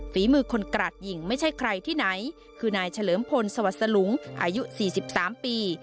ฝีมือคนกราดยิงไม่ใช่ใครที่ไหนคือนายเฉลิมพลสวัสดิ์สลุงอายุ๔๓ปี